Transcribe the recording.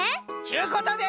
ちゅうことで。